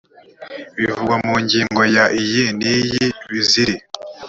bivugwa mu ngingo ya iya n iya z iri